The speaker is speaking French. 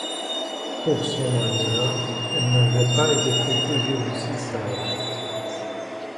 Pour son malheur, elle n'avait pas été toujours aussi sage.